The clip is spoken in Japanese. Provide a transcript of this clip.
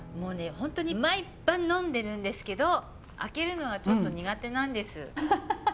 本当に毎晩呑んでるんですけど開けるのはちょっと苦手なんです。